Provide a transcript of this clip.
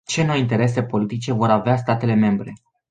Ce noi interese politice vor avea statele membre?